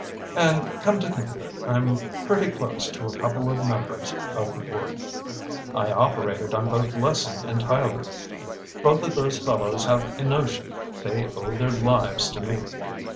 And, come to think of it, I'm pretty close to a couple of members of the board. I operated on both Lessing and Tyler. Both of those fellows have a notion they owe their lives to me.